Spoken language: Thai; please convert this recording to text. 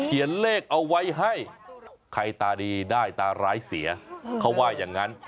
เขียนเลขเอาไว้ให้ใครตาดีได้ตาร้ายเสียเขาว่าอย่างนั้น